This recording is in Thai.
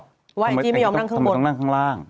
ว่าจี๊ไม่ยอมนั่งข้างบนทำไมต้องนั่งข้างล่างทำไมต้องนั่งข้างล่าง